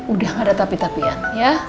udah gak ada tapi tapian ya